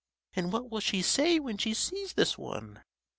"And what will she say when she sees this one?"